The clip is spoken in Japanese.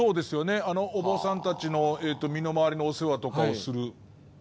お坊さんたちの身の回りのお世話とかをする。